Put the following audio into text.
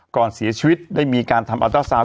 ก่อนเสียชีวิตได้มีการทำอัลเตอร์ซาวน